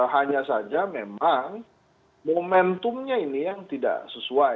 hanya saja memang momentumnya ini yang tidak sesuai